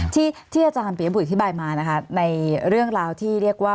ที่อาจารย์ปียบุตอธิบายมานะคะในเรื่องราวที่เรียกว่า